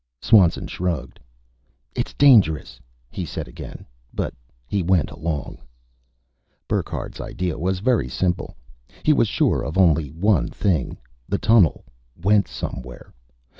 Swanson shrugged. "It's dangerous," he said again. But he went along. Burckhardt's idea was very simple. He was sure of only one thing the tunnel went somewhere.